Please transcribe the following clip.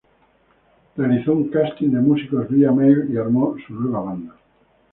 Realizó un casting de músicos vía mail y armó su nueva banda.